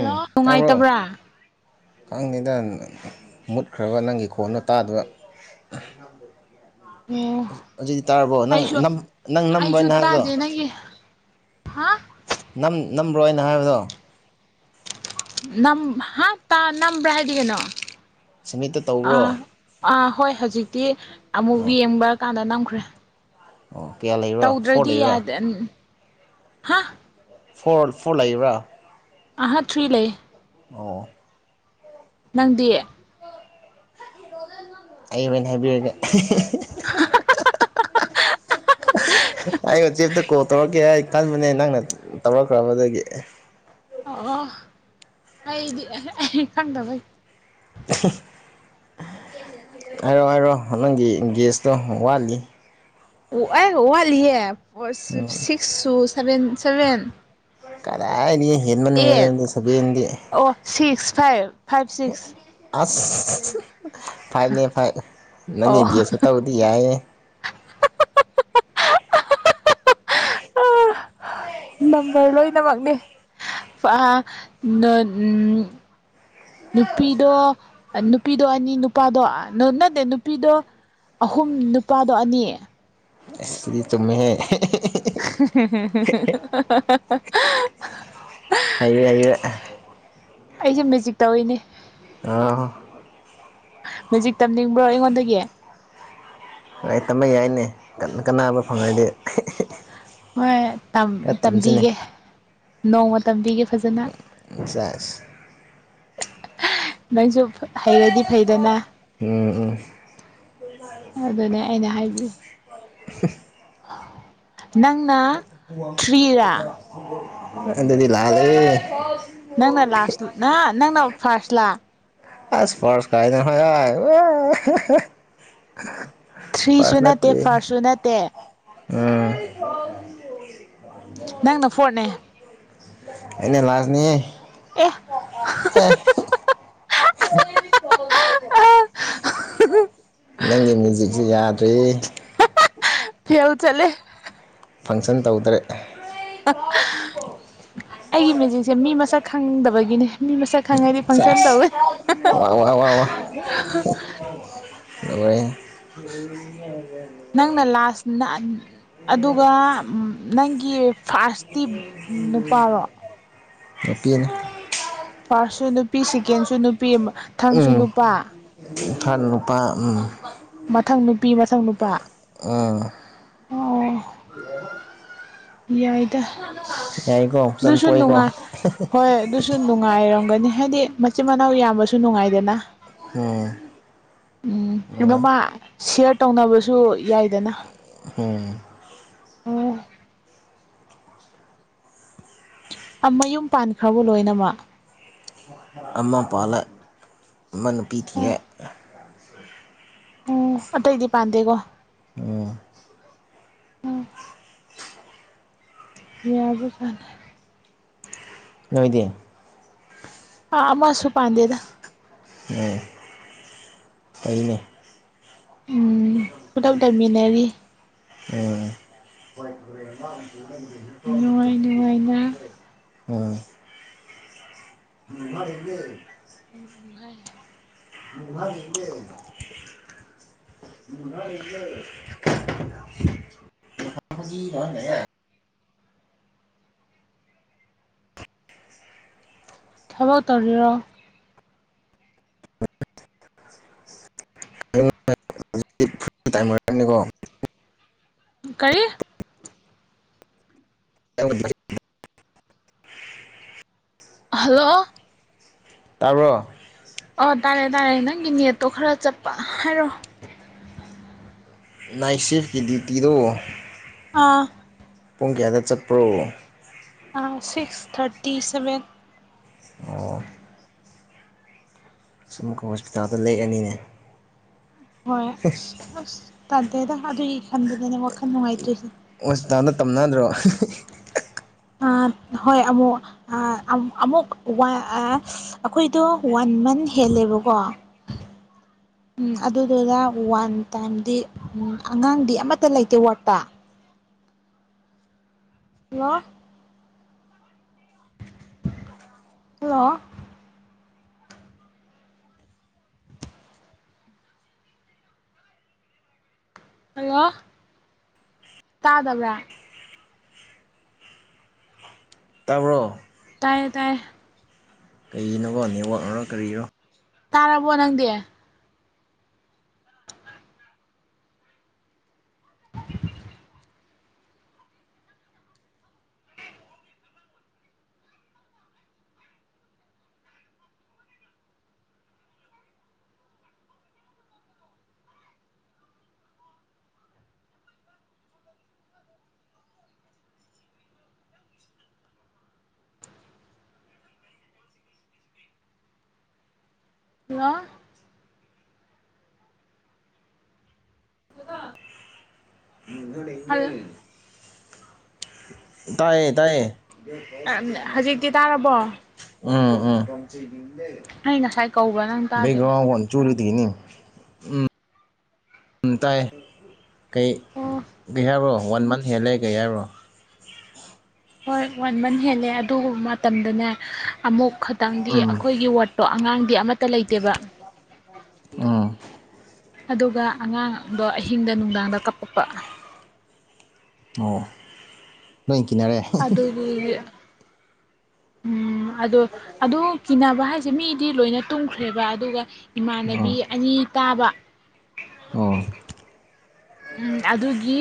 ꯑꯦ ꯇꯥꯕ꯭ꯔꯣ ꯅꯨꯡꯉꯥꯏꯇꯕ꯭ꯔꯥ ꯈꯪꯗꯦꯗ ꯃꯨꯠꯈ꯭ꯔꯕ ꯅꯪꯒꯤ ꯈꯣꯟꯗꯣ ꯇꯥꯗꯦꯕ꯫ ꯑꯣ [unintelligible] ꯑꯁꯤꯗꯤ ꯇꯥꯔꯕꯣ ꯅꯪ ꯅꯪ ꯅꯝꯕ꯭ꯔꯣꯏꯅ ꯍꯥꯏꯕꯗꯣ꯫ ꯑꯩꯒꯤ ꯍꯥ ꯅꯝ ꯅꯝꯕ꯭ꯔꯣ ꯑꯩꯅ ꯍꯥꯏꯕꯗꯣ꯫ ꯅꯝ ꯍꯥ ꯇ ꯅꯝꯕ꯭ꯔ ꯍꯥꯏꯗꯤ ꯀꯩꯅꯣ꯫ ꯁꯦꯃꯤꯠꯇ ꯑꯥ ꯇꯧꯕ꯭ꯔꯣ? ꯑꯥ ꯍꯣꯏ ꯍꯧꯖꯤꯛꯇꯤ ꯑꯃꯨꯛ ꯑꯣ ꯌꯦꯡꯕ ꯀꯥꯟꯗ ꯅꯝꯈ꯭ꯔꯦ꯫ ꯑꯣ ꯀꯌꯥ ꯂꯩ꯫ ꯇꯧꯗ꯭ꯔꯗꯤ ꯌꯥꯗ ꯍꯥ ꯐꯣꯔ ꯐꯣꯔ ꯂꯩꯕ꯭ꯔꯥ? ꯑꯍꯥ ꯊ꯭ꯔꯤ ꯂꯩ꯫ ꯑꯣ ꯅꯪꯗꯤ꯫ ꯑꯩ ꯍꯨꯔꯦꯜ ꯍꯥꯏꯕꯤꯔꯒꯦ꯫ [inaudible] ꯑꯩ ꯋꯥꯆꯦꯞꯇ ꯀꯣꯜ ꯇꯧꯔꯛꯀꯦ ꯑꯩ ꯈꯟꯕꯅꯦ ꯅꯪꯅ ꯇꯧꯔꯛꯈ꯭ꯔꯕꯗꯒꯤ꯫ ꯑꯣ ꯑꯣ ꯑꯩꯗꯤ ꯑꯩ ꯈꯪꯗꯕꯩ꯫ ꯍꯥꯏꯔꯣ ꯍꯥꯏꯔꯣ ꯅꯪꯒꯤ ꯑꯦꯡꯒꯦꯁꯇꯣ ꯋꯥꯠꯂꯤ꯫ ꯑꯩ ꯋꯥꯠꯂꯤꯌꯦ ꯐꯣꯔ ꯁꯤꯛꯁꯁꯨ ꯁꯚꯦꯟ ꯁꯚꯦꯟ ꯀꯂꯥꯏꯗꯒꯤ ꯑꯦꯠ ꯍꯦꯟꯕꯅꯣꯗ ꯁꯕꯦꯟꯗꯤ꯫ ꯑꯣ ꯁꯤꯛꯁ ꯐꯥꯏꯚ ꯐꯥꯏꯚ ꯁꯤꯛꯁ ꯑꯁ ꯐꯥꯏꯅꯦ ꯐꯥꯏ ꯅꯪꯒꯤ ꯑꯣ ꯒ꯭ꯔꯦꯁꯟ ꯇꯧꯕꯗꯤ ꯌꯥꯏꯌꯦ꯫ ꯅꯝꯕꯔ ꯂꯣꯏꯅꯃꯛꯅꯦ ꯐꯥ ꯅꯣ ꯅꯨꯄꯤꯗꯣ ꯅꯨꯄꯤꯗꯣ ꯑꯅꯤ ꯅꯨꯄꯥꯗꯣ ꯅꯠꯇꯦ ꯅꯨꯄꯤꯗꯣ ꯑꯍꯨꯝ ꯅꯨꯄꯥꯗꯣ ꯑꯅꯤ ꯑꯁꯤ ꯆꯨꯝꯃꯦꯍꯦ [unintelligible] ꯍꯩꯔꯦ ꯍꯩꯔꯦ ꯑꯩꯁꯦ ꯃꯦꯖꯤꯛ ꯇꯧꯔꯤꯅꯦ꯫ ꯑꯥ ꯃꯦꯖꯤꯛ ꯇꯝꯅꯤꯡꯕ꯭ꯔꯣ ꯑꯩꯉꯣꯟꯗꯒꯤ꯫ ꯍꯣꯏ ꯇꯝꯕ ꯌꯥꯏꯅꯦ ꯀꯟꯅ ꯀꯕ ꯐꯪꯉꯗꯤ꯫ ꯍꯣꯏ ꯈꯔ ꯇꯝꯁꯤꯅꯦ ꯇꯝꯕꯤꯒꯦ ꯅꯣꯡꯃ ꯇꯝꯕꯤꯒꯦ ꯐꯖꯅ ꯁꯦꯁ ꯅꯪꯁꯨ ꯍꯩꯔꯗꯤ ꯐꯩꯗꯅ ꯎꯝ ꯎꯝ ꯑꯗꯨꯅꯦ ꯑꯩꯅ ꯍꯥꯏꯔꯤꯁꯦ ꯅꯪꯅ ꯊ꯭ꯔꯤꯔꯥ ꯑꯗꯨꯗꯤ ꯂꯥꯜꯂꯦ ꯅꯪꯅ ꯂꯥꯁ ꯅ ꯅꯪꯅ ꯐꯥꯔꯁꯂꯥ ꯑꯏ ꯐ꯭ꯔꯁ ꯀꯅ ꯍꯣ [unintelligible] ꯑꯥꯢ ꯐ꯭ꯔꯁ ꯅꯠꯇꯔꯤ ꯑꯗꯨ ꯅꯇꯦ ꯎꯝ ꯅꯪꯅ ꯐꯣꯔ꯭ꯠꯅꯦ ꯑꯩꯅꯥ ꯂꯥꯖ ꯅꯤꯍꯦ ꯑꯦ ꯑꯦ ꯆꯥꯎꯦ [unintelligible] [unintelligible] ꯅꯪꯒꯤ ꯃ꯭ꯌꯨꯖꯤꯛꯁꯤ ꯌꯥꯗ꯭ꯔꯤ ꯐꯦꯜ ꯆꯠꯂꯦ ꯐꯪꯁꯟ ꯇꯧꯗ꯭ꯔꯦ ꯑꯩꯒꯤ ꯃꯦꯖꯤꯛꯁꯦ ꯃꯤ ꯃꯁꯛ ꯈꯪꯗꯕꯒꯤꯅꯦ ꯃꯤ ꯃꯁꯛ ꯈꯪꯉꯦ ꯆꯁ ꯋꯥ ꯋꯥ ꯋꯥ [unintelligible] ꯍ [unintelligible] ꯅꯪꯅ ꯂꯥꯁꯅ ꯑꯗꯨꯒ ꯅꯪꯒꯤ ꯐꯥꯔ꯭ꯁꯇꯤ ꯅꯨꯄꯥꯔꯣ ꯅꯨꯄꯤꯅ ꯐꯥꯔꯁꯁꯨ ꯅꯨꯄꯤ ꯁꯦꯀꯦꯟꯁꯨ ꯅꯨꯄꯤ ꯊꯥꯡꯁꯨ ꯅꯨꯄꯥ ꯊꯥꯔꯗ ꯅꯨꯄꯥ ꯃꯊꯪ ꯅꯨꯄꯤ ꯃꯊꯪ ꯅꯨꯄꯥ ꯑꯥ ꯑꯣ ꯌꯥꯏꯗ ꯑ ꯌꯥꯏꯀꯣ ꯐꯖꯅ ꯑꯗꯨꯁꯨ ꯄꯣꯛꯏꯀꯣ ꯅꯨꯡꯉꯥꯏ ꯍꯣꯏ ꯑꯗꯨ ꯨ ꯅꯨꯡꯉꯥꯏꯔꯝꯒꯅꯤ ꯍꯥꯏꯗꯤ ꯃꯆꯤꯟ ꯃꯅꯥꯎ ꯌꯥꯝꯕꯁꯨ ꯅꯨꯡꯉꯥꯏꯗꯅ ꯎꯝ ꯎꯝ ꯑꯗꯣ ꯅꯨꯡꯉꯥꯏ ꯃꯥ ꯁꯤꯌꯥꯔ ꯇꯧꯅꯕꯁꯨ ꯌꯥꯏꯗꯅ ꯑꯣ ꯑꯣ ꯃꯌꯨꯝ ꯄꯥꯟꯈ꯭ꯔꯕ ꯂꯣꯏꯅꯃꯛ ꯑꯝꯃꯥ ꯄꯥꯜꯂꯦ ꯑꯃ ꯅꯨꯄꯤ ꯊꯤꯔꯦ ꯎꯝ ꯑꯇꯩꯗꯤ ꯄꯥꯟꯗꯦꯒꯣ ꯑꯣ ꯌꯥꯕ ꯖꯠꯅꯦ ꯅꯣꯏꯗꯤ ꯑꯥ ꯑꯃꯁꯨ ꯄꯥꯟꯗꯦꯗ ꯎꯝ ꯐꯩꯅ ꯎꯝ ꯄꯨꯂꯞ ꯂꯩꯃꯤꯟꯅꯔꯤ ꯑꯣ ꯅꯨꯡꯉꯥꯏ ꯅꯨꯡꯉꯥꯏꯅ [unintelligible] ꯎꯝ ꯎꯝ [unintelligible] [unintelligible] [unintelligible] ꯊꯕꯛ ꯇꯧꯔꯤꯔꯣ [inaudible] ꯥ ꯅꯤꯀꯣ ꯀꯔꯤ [inaudible] ꯑ ꯍꯜꯂꯣ ꯇꯥꯕ꯭ꯔꯣ ꯑꯣ ꯇꯥꯔꯦ ꯇꯥꯔꯦ ꯅꯪꯒꯤ ꯅꯦꯠꯇꯣ ꯈꯔ ꯆꯞꯄ ꯍꯥꯏꯔꯣ ꯅꯥꯏꯁꯤꯐꯀꯤ ꯗꯤꯇꯤꯗꯣ ꯑꯥ ꯄꯨꯡ ꯀꯌꯥꯗ ꯆꯠꯄ꯭ꯔꯣ ꯁꯤꯛꯁ ꯊꯥꯔꯇꯤ ꯁꯚꯦꯟ ꯑꯣ ꯁꯨꯃꯨꯀ ꯍꯣꯁꯄꯤꯇꯥꯜꯗ ꯂꯦꯛꯑꯅꯤꯅꯦ ꯍꯣꯏ ꯑꯁ ꯑꯁ ꯇꯥꯗꯦꯗ ꯑꯗꯨꯒꯤ ꯈꯟꯕꯗꯅꯦ ꯋꯥꯈꯜ ꯅꯨꯡꯉꯥꯏꯇ꯭ꯔꯤꯁꯦ ꯍꯣꯁꯄꯤꯇꯥꯜꯗ ꯇꯝꯅꯗ꯭ꯔꯣ ꯑꯥ ꯍꯣꯏ ꯑꯃꯨꯛ ꯑꯥ ꯑꯃꯨꯛ ꯑꯃꯨꯛ ꯋꯥꯏ ꯑꯥ ꯑꯩꯈꯣꯏꯗꯣ ꯋꯥꯟ ꯃꯟ ꯍꯦꯜꯂꯦꯕꯀꯣ ꯎꯝ ꯑꯗꯨꯗꯨꯗ ꯋꯥꯟ ꯇꯥꯏꯝꯗꯤ ꯎ ꯑꯉꯥꯡꯗꯤ ꯑꯃꯠꯇ ꯂꯩꯇꯦ ꯋꯥꯠꯇ ꯍꯜꯂꯣ ꯍꯜꯂꯣ ꯍꯜꯂꯣ ꯇꯥꯗꯕ꯭ꯔꯥ ꯇꯥꯕ꯭ꯔꯣ ꯇꯥꯏꯌꯦ ꯇꯥꯏꯌꯦ ꯀꯩꯒꯤꯅꯣꯕ ꯅꯦꯋꯥꯛꯅꯔꯣ ꯀꯔꯤꯔꯣ ꯇꯥꯔꯕꯣ ꯅꯪꯗꯤ ꯍꯜꯂꯣ ꯍꯜꯂꯣ [inaudible] ꯇꯥꯌꯦ ꯇꯥꯌꯦ ꯑꯝ ꯍꯧꯖꯤꯛꯇꯤ ꯇꯥꯔꯕꯣ ꯎꯝ ꯎꯝ ꯑꯩ ꯉꯁꯥꯏ ꯀꯧꯕ ꯅꯪ ꯇꯥꯗꯦ ꯆꯨꯔꯤꯗꯤꯅꯤ ꯨꯑꯝ ꯇꯥꯏꯑꯦ ꯀꯩ ꯑꯣ ꯀꯩ ꯍꯥꯏꯕ꯭ꯔꯣ ꯋꯥꯟ ꯃꯟ ꯍꯦꯜꯂꯦ ꯀꯩ ꯍꯥꯏꯕ꯭ꯔꯣ ꯍꯣꯏ ꯋꯥꯟ ꯃꯟ ꯍꯦꯜꯂꯦ ꯑꯗꯨꯕꯨ ꯃꯇꯝꯗꯅꯦ ꯑꯃꯨꯛ ꯈꯇꯪꯗꯤ ꯎꯝ ꯑꯩꯈꯣꯏꯒꯤ ꯋꯥ ꯇꯣ ꯑꯉꯥꯡꯗꯤ ꯑꯃꯠꯇ ꯂꯩꯇꯦꯕ ꯑꯥ ꯑꯗꯨꯒ ꯑꯉꯥꯡꯗꯣ ꯑꯍꯤꯡꯗ ꯅꯨꯡꯗꯥꯡꯗ ꯀꯞꯄꯛꯄ ꯑꯣ ꯅꯣꯏ ꯀꯤꯅꯔꯦ ꯑꯩꯒꯤ ꯎꯝ ꯑꯗꯣ ꯑꯗꯨ ꯀꯤꯅꯕ ꯍꯥꯏꯁꯦ ꯃꯤꯗꯤ ꯂꯣꯏꯅ ꯇꯨꯝꯈ꯭ꯔꯦꯕ ꯑꯗꯨꯒ ꯏꯃꯥꯟꯅꯕꯤ ꯑꯣ ꯑꯅꯤ ꯇꯥꯕ ꯑꯣ ꯎꯝ ꯑꯗꯨꯒꯤ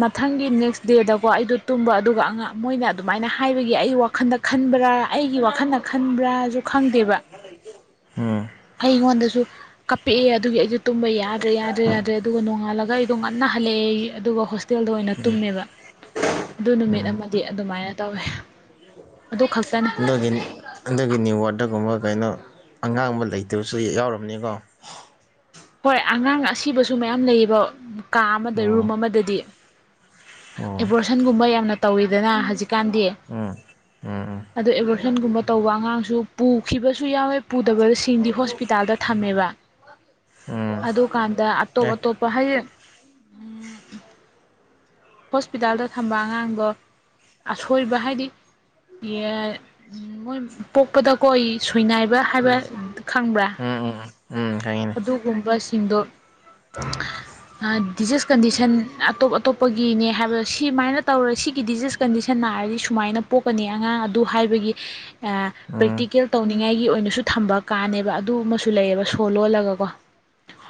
ꯃꯊꯪꯒꯤ ꯅꯦꯛꯁ ꯗꯦꯗꯀꯣ ꯑꯩꯗꯣ ꯇꯨꯝꯕ ꯑꯗꯨꯒ ꯑ ꯃꯣꯏꯅ ꯑꯗꯨꯃꯥꯏꯅ ꯍꯥꯏꯕꯒꯤ ꯑꯩ ꯋꯥꯈꯟꯗ ꯈꯟꯕ꯭ꯔꯥ ꯑꯩꯒꯤ ꯋꯥꯈꯜꯅ ꯈꯟꯕ꯭ꯔꯥꯁꯨ ꯈꯪꯗꯦꯕ [inaudible] ꯑꯩꯉꯣꯟꯗꯁꯨ ꯀꯞꯄꯤꯛꯑꯦ ꯑꯗꯨꯒꯤ ꯑꯩꯗꯤ ꯇꯨꯝꯕ ꯌꯥꯗ꯭ꯔꯦ ꯌꯥꯗ꯭ꯔꯦ ꯌꯥꯗ꯭ꯔꯦ ꯑꯗꯨꯒ ꯅꯣꯡꯉꯥꯜꯂꯒ ꯑꯩ ꯉꯟꯅ ꯍꯜꯂꯛꯑꯦ ꯑꯗꯨꯒ ꯍꯣꯁꯇꯦꯜꯗ ꯑꯣꯏꯅ ꯇꯨꯝꯃꯦꯕ ꯑꯗꯨ ꯅꯨꯃꯤꯠ ꯎꯝ ꯑꯃꯗꯤ ꯑꯗꯨꯃꯥꯏꯅ ꯇꯧꯋꯦ ꯑꯗꯨ ꯈꯛꯇꯅꯦ [unintelligible] ꯑꯗꯨꯒꯤꯅꯤ ꯋꯥꯔꯗꯒꯨꯝꯕ ꯀꯩꯅꯣ ꯑꯉꯥꯡꯕ ꯂꯩꯇꯕꯁꯨ ꯌꯥꯎꯔꯝꯅꯤꯀꯣ ꯍꯣꯏ ꯑꯉꯥꯡ ꯑꯁꯤꯕꯁꯨ ꯃꯌꯥꯝ ꯂꯩꯌꯦꯕ ꯀꯥ ꯑꯃꯗ ꯑꯣ ꯔꯨꯝ ꯑꯃꯗꯗꯤ ꯑꯣ ꯑꯦꯕꯣꯔꯁꯟꯒꯨꯝꯕ ꯌꯥꯝꯅ ꯇꯧꯋꯤꯗꯅ ꯍꯧꯖꯤꯛꯀꯥꯟꯗꯤ ꯎꯝ ꯎꯝ ꯑꯗꯨ ꯑꯦꯕꯔꯦꯁꯟꯒꯨꯝꯕ ꯇꯧꯕ ꯑꯉꯥꯡꯁꯨ ꯄꯨꯈꯤꯕꯁꯨ ꯌꯥꯎꯋꯦ ꯄꯨꯗꯕꯁꯤꯡꯗꯤ ꯍꯣꯁꯄꯤꯇꯥꯜꯗ ꯊꯝꯃꯦꯕ ꯎꯝ ꯎꯝ ꯑꯗꯨꯀꯥꯟꯗ ꯑꯇꯣꯞ ꯑꯦ ꯑꯇꯣꯞꯄ ꯍꯥꯏꯗꯤ ꯍꯣꯁꯄꯤꯇꯥꯜꯗ ꯊꯝꯕ ꯑꯉꯥꯡꯗꯣ ꯑꯁꯣꯏꯕ ꯍꯥꯏꯗꯤ ꯃꯣꯏ ꯄꯣꯛꯄꯗꯀꯣ ꯁꯣꯏꯅꯥꯏꯕ ꯍꯥꯏꯕ ꯎꯝ ꯈꯪꯕ꯭ꯔꯥ ꯎꯝ ꯎꯝ ꯎꯝ ꯎꯝ ꯈꯪꯉꯤꯅꯦ ꯑꯗꯨꯒꯨꯝꯕꯁꯤꯡꯗꯣ ꯗꯤꯖꯤꯁ ꯀꯟꯗꯤꯁꯟ ꯑꯇꯣꯞ ꯑꯇꯣꯞ ꯄꯣꯛꯄꯒꯤꯅꯦ ꯍꯥꯏꯕ ꯁꯤꯨꯃꯥꯏꯅ ꯇꯧꯔ ꯁꯤꯒꯤ ꯗꯤꯖꯤꯖ ꯀꯟꯗꯤꯁꯟ ꯅꯥꯔꯗꯤ ꯁꯨꯃꯥꯏꯅ ꯄꯣꯛꯀꯅꯤ ꯑꯉꯥꯡ ꯑꯗꯨ ꯍꯥꯏꯕꯒꯤ ꯑ ꯎꯝ ꯄ꯭ꯔꯦꯛꯇꯤꯀꯦꯜ ꯇꯧꯅꯤꯡꯉꯥꯏꯒꯤ ꯑꯣꯏꯅꯁꯨ ꯊꯝꯕ ꯀꯥꯟꯅꯦꯕ ꯑꯗꯨ ꯑꯃꯁꯨ ꯂꯩꯌꯦꯕ ꯁꯣ ꯂꯣꯜꯂꯒꯀꯣ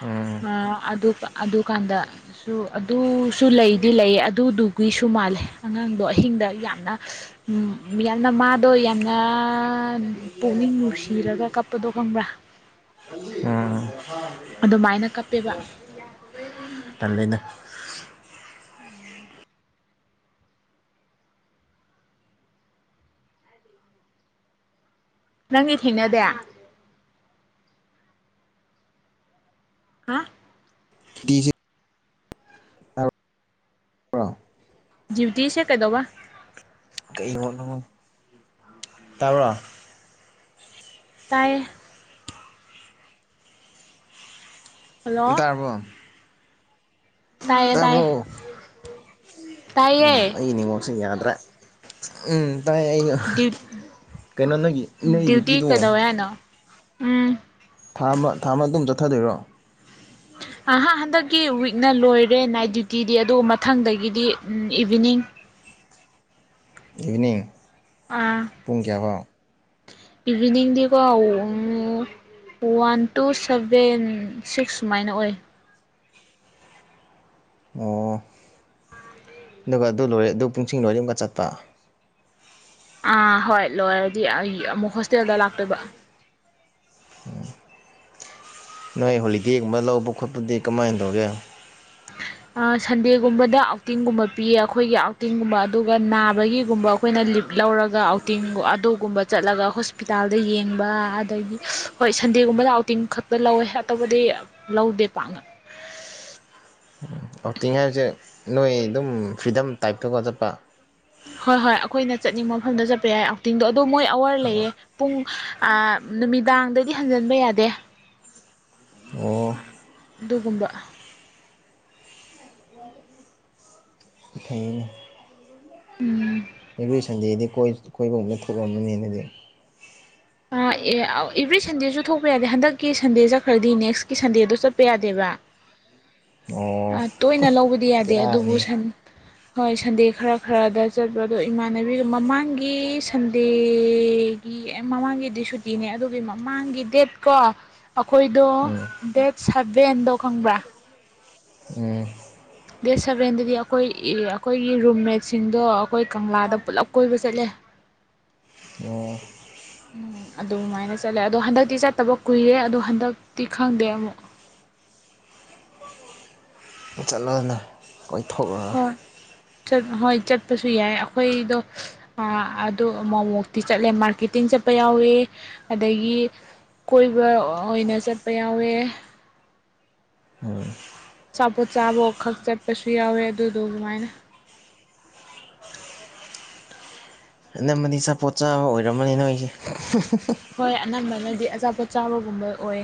ꯎꯝ ꯑ ꯑꯗꯨ ꯑꯗꯨꯀꯥꯟꯗ ꯁꯨ ꯑꯗꯨꯁꯨ ꯂꯩ ꯗꯤ ꯂꯩꯌꯦ ꯑꯗꯨꯗꯨꯒꯤꯁꯨ ꯃꯥꯜꯂꯦ ꯑꯉꯥꯡꯗꯣ ꯑꯍꯤꯡꯗ ꯌꯥꯝꯅ ꯎꯝ ꯌꯥꯝꯅ ꯃꯥꯗꯣꯏ ꯌꯥꯝꯅ ꯄꯨꯛꯅꯤꯡ ꯅꯨꯡꯁꯤꯔꯒ ꯀꯞꯄꯗꯣ ꯈꯪꯕ꯭ꯔꯥ ꯎꯝ ꯑꯗꯨꯃꯥꯏꯅ ꯀꯞꯄꯦꯕ ꯇꯜꯂꯦꯅꯦ ꯅꯪꯗꯤ ꯊꯦꯡꯅꯗꯦ ꯍꯥ ꯇꯥꯕ꯭ꯔ‌ꯣ ꯗꯤꯎꯇꯤꯁꯦ ꯀꯩꯗꯧꯕ ꯀꯩꯅ‌ꯣ ꯅꯪ ꯇꯥꯕ꯭ꯔꯣ ꯇꯥꯏꯌꯦ ꯍꯜꯂꯣ ꯇꯥꯔꯕꯣ ꯇꯥꯏꯌꯦ ꯇꯥꯕ꯭ꯔꯣ ꯇꯥꯏꯌꯦ ꯎꯝ ꯇꯥꯏꯌꯦ ꯑꯩ ꯅꯤꯋꯥꯛꯁꯤ ꯌꯥꯗ꯭ꯔꯥ ꯎꯝ ꯇꯥꯏꯌ‌ꯦ ꯑꯩꯁꯨ ꯀꯩꯅꯣ ꯅꯪꯒꯤ ꯅꯒꯤ ꯗ꯭ꯌꯨꯇꯤ ꯗꯤꯇꯤꯗꯣ [unintelligible] ꯎꯝ ꯊꯥ ꯑꯃ ꯊꯥ ꯑꯃ ꯑꯗꯨꯝ ꯆꯠꯊꯗꯣꯏꯔꯣ ꯑꯍ ꯍꯟꯗꯛꯀꯤ ꯋꯤꯛꯅ ꯂꯣꯏꯔꯦ ꯅꯥꯏꯠ ꯗ꯭ꯌꯨꯇꯤꯗꯤ ꯑꯗꯨꯒ ꯃꯊꯪꯗꯒꯤꯗꯤ ꯏꯚꯤꯅꯤꯡ ꯏꯚꯅꯤꯡ ꯑ ꯏꯚꯅꯤꯡꯗꯤꯀꯣ ꯋꯥꯟ ꯇꯨ ꯁꯚꯦꯟ ꯁꯤꯛꯁ ꯁꯨꯃꯥꯏꯅ ꯑꯣꯏ ꯑꯣ ꯑꯗꯨꯒ ꯑꯗꯨ ꯂꯣꯏꯔꯦ ꯑꯗꯨ ꯄꯨꯡꯁꯤꯡ ꯂꯣꯏꯔ ꯑꯃꯨꯛꯀ ꯆꯠꯄ ꯑꯥ ꯍꯣꯏ ꯂꯣꯏꯔꯗꯤ ꯑꯩ ꯑꯃꯨꯛ ꯍꯣꯁꯇꯦꯜꯗ ꯂꯥꯛꯇꯣꯏꯕ ꯅꯣꯏ ꯍꯣꯂꯤꯗꯦꯒꯨꯝꯕ ꯂꯧꯕ ꯈꯣꯠꯄꯗꯤ ꯀꯃꯥꯏꯅ ꯇꯧꯒꯦ [unintelligible] ꯑ ꯁꯟꯗꯦꯒꯨꯝꯕꯗ ꯑꯥꯎꯇꯤꯡꯒꯨꯝꯕ ꯄꯤꯌꯦ ꯑꯩꯈꯣꯏꯒꯤ ꯑꯥꯎꯇꯤꯡꯒꯨꯝꯕ ꯑꯗꯨꯒ ꯅꯥꯕꯒꯤꯒꯨꯝꯕ ꯑꯩꯈꯣꯏꯅ ꯂꯤꯞ ꯂꯧꯔꯒ ꯑꯥꯎꯇꯤꯡ ꯑꯗꯨꯒꯨꯝꯕ ꯆꯠꯂꯒ ꯍꯣꯁꯄꯤꯇꯥꯜꯗ ꯌꯦꯡꯕ ꯑꯗꯒꯤ ꯍꯣꯏ ꯁꯟꯗꯦꯒꯨꯝꯕꯗ ꯑꯥꯎꯇꯤꯡ ꯈꯛꯇ ꯂꯧꯋꯦ ꯑꯇꯣꯞꯕꯨꯗꯤ ꯂꯧꯗꯦ ꯄꯥꯛꯅ ꯑꯥꯎꯇꯤꯡ ꯍꯥꯏꯕꯁꯦ ꯅꯣꯏ ꯑꯗꯨꯝ ꯐ꯭ꯔꯤꯗꯝ ꯇꯥꯏꯞꯇꯒꯣ ꯆꯠꯄ ꯍꯣꯏ ꯍꯣꯏ ꯑꯩꯈꯣꯏꯅ ꯆꯠꯅꯤꯡꯕ ꯃꯐꯝꯗ ꯆꯠꯄ ꯌꯥꯏ ꯑꯥꯎꯇꯤꯡꯗꯣ ꯑꯗꯣ ꯃꯣꯏ ꯑꯋꯥꯔ ꯂꯩꯌꯦ ꯄꯨꯡ ꯑ ꯅꯨꯃꯤꯗꯥꯡꯗꯗꯤ ꯍꯟꯖꯟꯕ ꯌꯥꯗꯦ ꯑꯣ ꯑꯗꯨꯒꯨꯝꯕ ꯏꯩ ꯎꯝ ꯑꯦꯕ꯭ꯔꯣꯏꯁꯟꯗꯦꯗꯤ ꯀꯣꯏ ꯀꯣꯢꯕꯝꯗ ꯊꯣꯛꯑꯃꯅꯤꯅꯗꯤ ꯑ ꯑꯦꯕ꯭ꯔꯤ ꯁꯟꯗꯦꯁꯨ ꯊꯣꯛꯄ ꯌꯥꯗꯦ ꯍꯟꯗꯛꯀꯤ ꯁꯟꯗꯦ ꯆꯠꯈ꯭ꯔꯗꯤ ꯅꯦꯛꯁꯀꯤ ꯁꯟꯗꯦꯗ ꯆꯠꯄ ꯌꯥꯗꯦꯕ ꯍ ꯑꯣ ꯗꯤ ꯌꯥꯗꯦ ꯑꯗꯨꯕꯨ ꯕꯦꯔꯥꯅꯤ ꯁꯟ ꯍꯣꯏ ꯁꯟꯗꯦ ꯈꯔ ꯈꯔꯗ ꯆꯠꯄꯣ ꯑꯗꯣ ꯏꯃꯥꯟꯅꯕꯤꯒ ꯃꯃꯥꯡꯒꯤ ꯁꯟꯗꯦꯒꯤ ꯃꯃꯥꯡꯒꯤꯗꯤ ꯁꯨꯇꯤꯅꯦ ꯑꯗꯨꯒꯤ ꯃꯃꯥꯡꯒꯤ ꯗꯦꯠ ꯀꯣ ꯑꯩꯈꯣꯏꯗꯣ ꯎꯝ ꯗꯦꯠ ꯁꯚꯦꯟꯗꯣ ꯈꯪꯕ꯭ꯔꯥ ꯎꯝ ꯗꯦꯠ ꯁꯚꯦꯟꯗꯗꯤ ꯑꯩꯈꯣꯏ ꯑꯩꯈꯣꯏꯒꯤ ꯔꯨꯝꯃꯦꯠꯁꯤꯡꯗꯣ ꯑꯩꯈꯣꯏ ꯀꯪꯂꯥꯗ ꯄꯨꯂꯞ ꯀꯣꯏꯕ ꯆꯠꯂꯦ ꯑꯣ [unintelligible] ꯎ ꯑꯗꯨꯃꯥꯏꯅ ꯆꯠꯂꯦ ꯑꯗꯣ ꯍꯟꯗꯛꯇꯤ ꯆꯠꯇꯕ ꯀꯨꯏꯔꯦ ꯑꯗꯣ ꯍꯟꯗꯛꯇꯤ ꯈꯪꯗꯦ ꯑꯃꯨꯛ ꯆꯠꯂꯣꯅꯦ ꯀꯣꯏꯊꯣꯛꯂꯒ ꯍꯣꯏ ꯆꯠ ꯍꯣꯏ ꯆꯠꯄꯁꯨ ꯌꯥꯏ ꯑꯩꯈꯣꯏꯗꯣ ꯑꯗꯨ ꯃꯃꯣꯛꯇꯤ ꯆꯠꯂꯦ ꯃꯥꯔꯀꯦꯇꯤꯡ ꯆꯠꯄ ꯌꯥꯎꯋꯦ ꯑꯗꯒꯤ ꯀꯣꯏꯕ ꯑꯣꯏꯅ ꯆꯠꯄ ꯌꯥꯎꯋꯦ ꯎꯝ ꯆꯥꯄꯣꯠ ꯆꯥꯕꯣ ꯈꯛ ꯆꯠꯄꯁꯨ ꯌꯥꯎꯋꯦ ꯑꯗꯨꯗꯣ ꯑꯗꯨꯃꯥꯏꯅ ꯑꯅꯝꯕꯗꯤ ꯆꯥꯄꯣꯠ ꯆꯥꯕ ꯑꯣꯏꯔꯝꯃꯅꯤꯅ ꯅꯣꯏꯁꯦ ꯍꯣꯏ ꯑꯅꯝꯕꯅꯗꯤ ꯑꯆꯥꯄꯣꯠ ꯆꯥꯎꯕꯒꯨꯝꯕ ꯑꯣꯏ